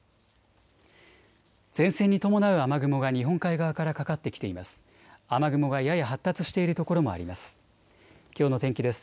前線に伴う雨雲が日本海側からかかってきています。